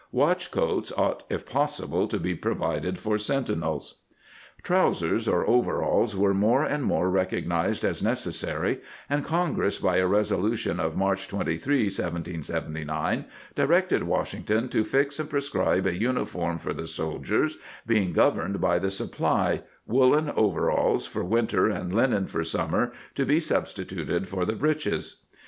Watch coats ought if possible to be provided for sentinels." ^ Trousers or overalls were more and more rec ognized as necessary, and Congress by a resolu tion of March 23, 1779, directed Washington to fix and prescribe a uniform for the soldiers, being governed by the supply, "woolen over alls for winter and linen for summer to be sub stituted for the breeches."